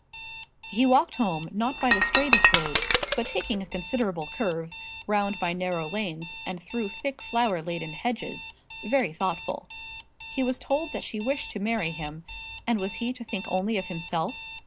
He walked home, not by the straightest road, but taking a considerable curve, round by narrow lanes, and through thick flower laden hedges, very thoughtful. He was told that she wished to marry him; and was he to think only of himself?